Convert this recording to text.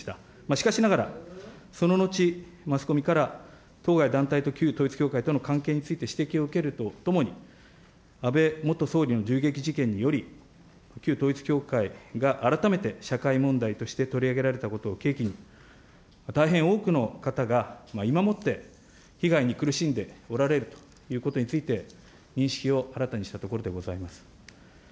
しかしながら、その後、マスコミから当該団体と旧統一教会との関係について指摘を受けるとともに、安倍元総理の銃撃事件により、旧統一教会が改めて社会問題として取り上げられたことを契機に、大変多くの方が今もって被害に苦しんでおられるということについて認識を新たにしたところでございます。